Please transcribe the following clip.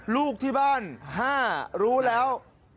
ลูกที่บ้าน๕รู้แล้ว